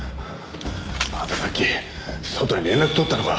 あんたさっき外に連絡取ったのか？